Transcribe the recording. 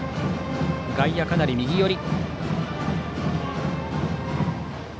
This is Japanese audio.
外野、かなり右寄り。